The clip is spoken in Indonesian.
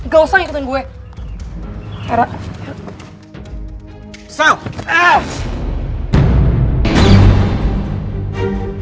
ga usah ikutin gue